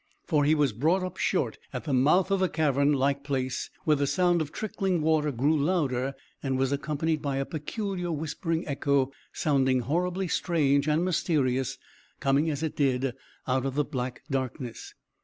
For he was brought up short at the mouth of a cavern like place where the sound of trickling water grew louder and was accompanied by a peculiar whispering echo sounding horribly strange and mysterious, coming as it did out of black darkness.